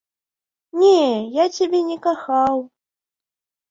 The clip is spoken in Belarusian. Не, я цябе не кахаў.